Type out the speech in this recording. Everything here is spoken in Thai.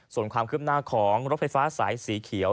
ส่วนความคืบหน้าของรถไฟฟ้าสายสีเขียว